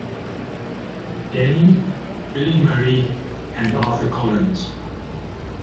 Denny., Billy Murray and Arthur Collins.